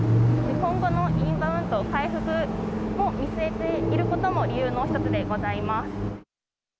今後のインバウンド回復を見据えていることも理由の一つでございます。